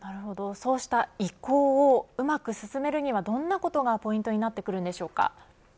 そうした移行をうまく進めるにはどんなことがポイントになってくるんでしょうか。